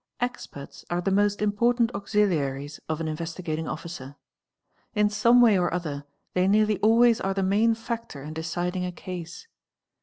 _ Experts are the most important auxiliaries of an Investigating Officer ; in some way or other they nearly always are the main factor in deciding acase.